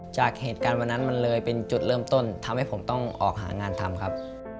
จากเหตุการณ์วันนั้นมันเลยเป็นจุดเริ่มต้นทำให้ผมต้องออกหางานทำครับ